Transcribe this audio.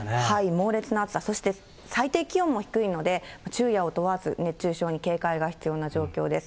猛烈な暑さ、そして最低気温も低いので、昼夜を問わず、熱中症に警戒が必要な状況です。